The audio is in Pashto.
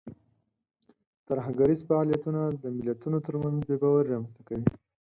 ترهګریز فعالیتونه د ملتونو ترمنځ بې باوري رامنځته کوي.